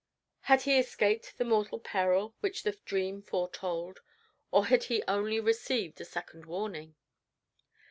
Had he escaped the mortal peril which his dream foretold? or had he only received a second warning?